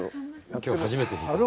今日初めて弾いた。